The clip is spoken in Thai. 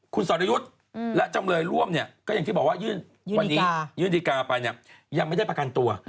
คุณสารยุทธ์และจำเลยร่วมอย่างที่บอกว่ายื่นดิการไปยังไม่ได้ประกันตัว